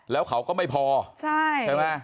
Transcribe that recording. แล้วเขาก็ไม่พอใช่ไหม